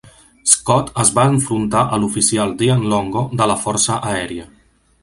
Scott es va enfrontar a l'oficial Dean Longo de la força aèria.